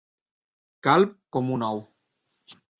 Calb com un ou.